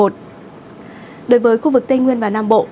đối với khu vực tây nguyên và nam bộ